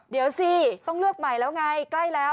เดี๋ยวสิต้องเลือกใหม่แล้วไงใกล้แล้ว